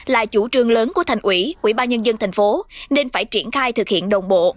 là chủ trương lớn của thành ủy ubnd tp hcm nên phải triển khai thực hiện đồng bộ